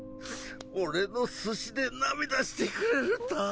俺の寿司で涙してくれるたぁ。